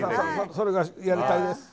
それがやりたいです。